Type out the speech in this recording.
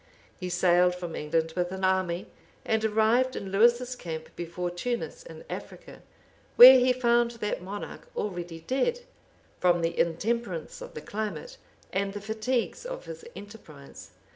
He sailed from England with an army; and arrived in Lewis's camp before Tunis in Africa, where he found that monarch already dead, from the intemperance of the climate and the fatigues of his enterprise.